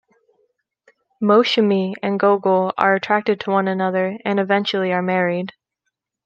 Moushumi and Gogol are attracted to one another and eventually are married.